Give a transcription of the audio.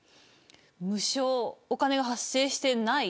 無償、お金が発生してない。